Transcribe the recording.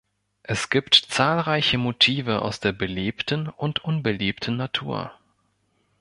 Es gibt zahlreiche Motive aus der belebten und unbelebten Natur.